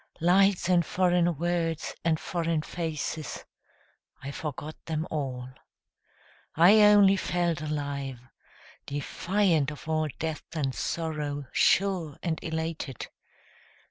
Lights and foreign words and foreign faces, I forgot them all; I only felt alive, defiant of all death and sorrow, Sure and elated.